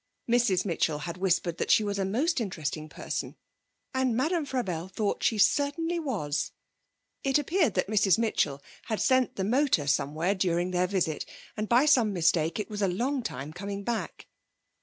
Mrs Mitchell had whispered that she was a most interesting person, and Madame Frabelle thought she certainly was. It appeared that Mrs Mitchell had sent the motor somewhere during their visit, and by some mistake it was a long time coming back.